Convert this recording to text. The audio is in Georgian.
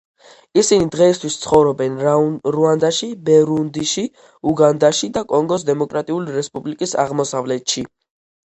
ისინი დღეისთვის ცხოვრობენ: რუანდაში, ბურუნდიში, უგანდაში და კონგოს დემოკრატიული რესპუბლიკის აღმოსავლეთში.